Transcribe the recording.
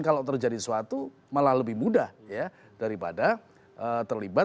kalau terjadi sesuatu malah lebih mudah ya daripada terlibat